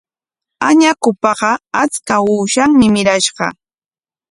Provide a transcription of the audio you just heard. Añakupaqa achka uushanmi mirashqa.